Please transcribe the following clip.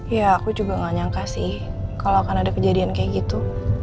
ya aku juga gak nyangka sih kalau akan ada kejadian kayak gitu